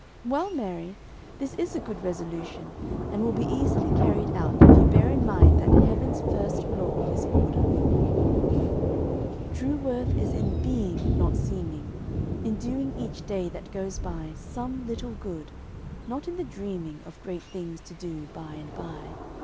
"Well, Mary, this is a good resolution and will be easily carried out, if you bear in mind that, 'Heaven's first law is order.'" TRUE worth is in being, not seeming In doing each day that goes by Some little good not in the dreaming Of great things to do by and by.